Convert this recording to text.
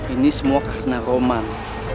ini semua karena roman